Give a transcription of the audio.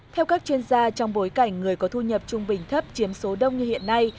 theo các chuyên gia trong bối cảnh người có thu nhập trung bình thấp chiếm số đông như hiện nay